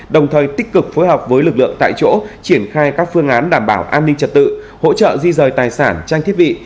đồng thời tích cực phối hợp với lực lượng tại chỗ triển khai các phương án đảm bảo an ninh trật tự hỗ trợ di rời tài sản trang thiết bị